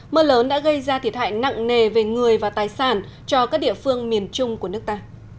mưa lớn đã gây ra thiệt hại nặng nề về người và tài sản cho các địa phương miền trung của nước ta